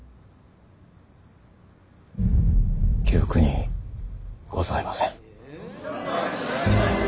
記憶にございません。